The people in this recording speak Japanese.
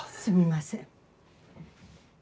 すみません。